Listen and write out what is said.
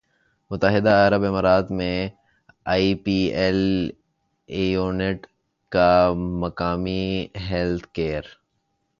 متحدہ عرب امارات میں آئی پی ایل ایونٹ کا مقامی ہیلتھ کیئر